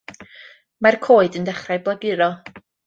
Mae'r coed yn dechrau blaguro.